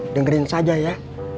dengerin saja ya